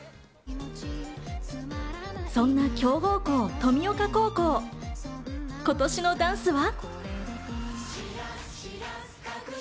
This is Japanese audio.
そんな強豪校・登美丘高校、今年のダンスは。